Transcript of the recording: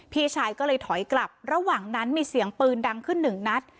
พี่ชายก็เลยถอยกลับระหว่างนั้นมีเสียงปืนดังขึ้นหนึ่งนัด